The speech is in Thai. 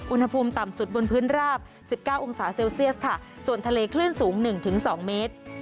อุณหภูมิต่ำสุดบนพื้นราบ๑๙องศาเซลเซียสค่ะส่วนทะเลคลื่นสูง๑๒เมตร